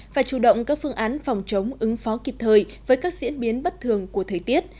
và chủ động các phương án phòng chống ứng phó kịp thời với các diễn biến bất thường của thời tiết